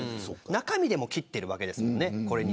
中身でも切ってるわけですもんね。